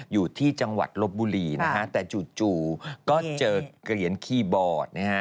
อยู่ที่จังหวัดลบบุรีนะฮะแต่จู่ก็เจอเหรียญคีย์บอร์ดนะฮะ